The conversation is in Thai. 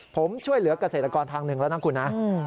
ผมช่วยเหลือกเกษตรกรทางหนึ่งแล้วนะคุณนะ